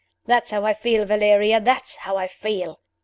That's how I feel, Valeria! that's how I feel!"